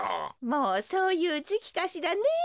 もうそういうじきかしらねえ。